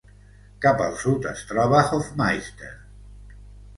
Cap al sud es troba Hoffmeister.